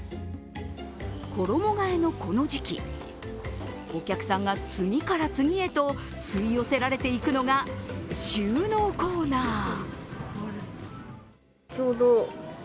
衣がえのこの時期、お客さんが次から次へと吸い寄せられていくのが収納コーナー。